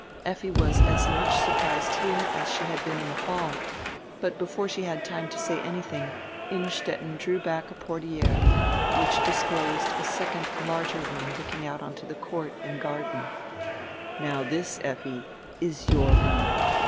Effi was as much surprised here as she had been in the hall, but before she had time to say anything, Innstetten drew back a portiere, which disclosed a second, larger room looking out on die court and garden. "Now diis, Effi, is your room.